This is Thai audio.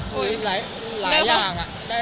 หูยหลายอย่างอะ